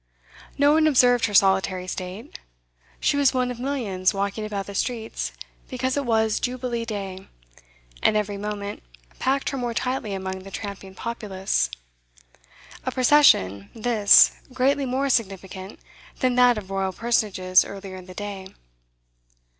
No one observed her solitary state; she was one of millions walking about the streets because it was Jubilee Day, and every moment packed her more tightly among the tramping populace. A procession, this, greatly more significant than that of Royal personages earlier in the day.